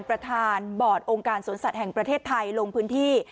ประธานบอร์ดองค์การสวนสัตว์แห่งประเทศไทยลงพื้นที่